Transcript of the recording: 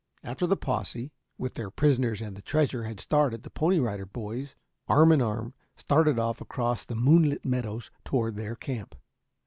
After the posse, with their prisoners and the treasure, had started, the Pony Rider Boys, arm in arm, started off across the moonlit meadows toward their camp.